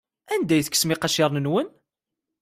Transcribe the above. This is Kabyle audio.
Anda ay tekksem iqaciren-nwen?